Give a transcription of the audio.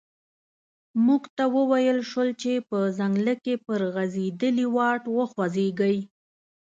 موږ ته و ویل شول چې په ځنګله کې پر غزیدلي واټ وخوځیږئ.